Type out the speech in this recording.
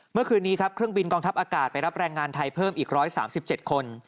เมื่อคืนนี้ครับเครื่องบินกองทัพอากาศไปรับแรงงานไทยเพิ่มอีก๑๓๗คน